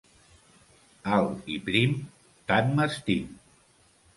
Alt i prim, tant m'estim.